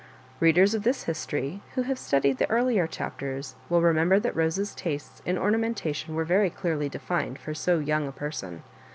Beaders of this history who have studied the earlier chapters will remember that Bose's tastes in ornamentation were very clearly defined for so young a person.